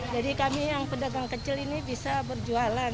jadi kami yang pedagang kecil ini bisa berjualan